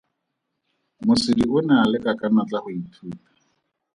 Mosidi o ne a leka ka natla go ithuta.